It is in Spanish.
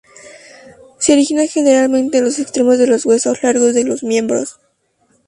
Se origina generalmente en los extremos de los huesos largos de los miembros.